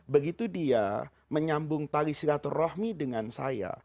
begitu dia menyambung tali silatur rohmi dengan saya